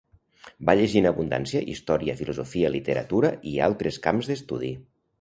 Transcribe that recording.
Va llegir en abundància història, filosofia, literatura, i altres camps d'estudi.